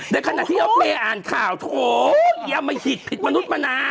ในขณะที่รถเมล์อ่านข่าวโถอย่ามาหิดผิดมนุษย์มนา